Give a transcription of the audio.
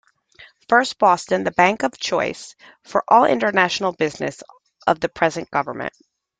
First Boston the bank of choice for all international business of the present government.